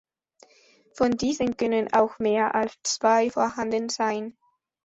Von diesen können auch mehr als zwei vorhanden sein.